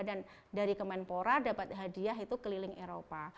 dan dari kementpora dapat hadiah itu keliling eropa